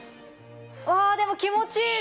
あでも気持ちいい！